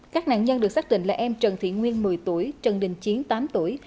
các nạn nhân được xác định là em trần thị nguyên một mươi tuổi trần đình chiến tám tuổi